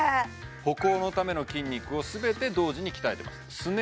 歩行のための筋肉をすべて同時に鍛えてますすね